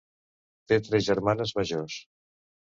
Té tres germanes majors.